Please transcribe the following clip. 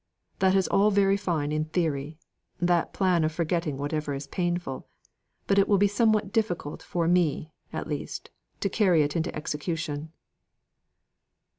That is all very fine in theory, that plan of forgetting whatever is painful, but it will be somewhat difficult for me, at least, to carry it into execution."